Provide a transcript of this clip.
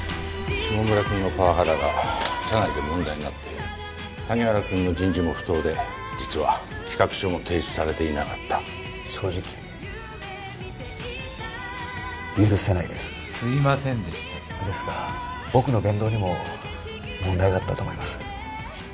下村君のパワハラが社内で問題になっている谷原君の人事も不当で実は企画書も提出されていなかった正直許せないですすいませんでしたですが僕の言動にも問題があったと思います